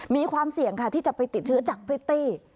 มีความเสี่ยงค่ะที่จะไปติดเชื้อจากพริตตี้